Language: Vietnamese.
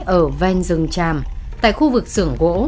ở ven rừng tràm tại khu vực sưởng gỗ